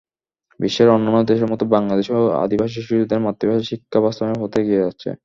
বিশ্বের অন্যান্য দেশের মতো বাংলাদেশও আদিবাসী শিশুদের মাতৃভাষায় শিক্ষা বাস্তবায়নের পথে এগিয়ে যাচ্ছে।